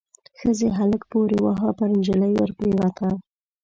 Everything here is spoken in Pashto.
ښځې هلک پوري واهه، پر نجلۍ ور پريوته.